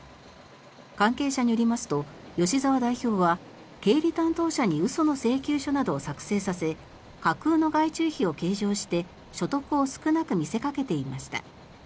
関係者によりますと吉澤代表は経理担当者に嘘の請求書などを作成させ架空の外注費を計上して所得を少なく見せかけていました。